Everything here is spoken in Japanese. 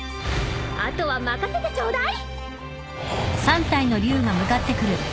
あとは任せてちょうだい。